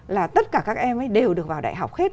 là tất cả các em ấy đều được vào đại học hết